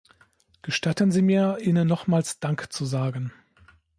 Gestatten Sie mir, Ihnen nochmals Dank zu sagen.